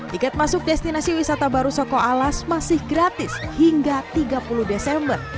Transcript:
tiket masuk destinasi wisata baru soko alas masih gratis hingga tiga puluh desember